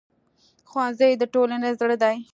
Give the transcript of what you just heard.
ښوونځی د ټولنې زړه دی